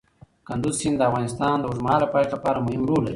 کندز سیند د افغانستان د اوږدمهاله پایښت لپاره مهم رول لري.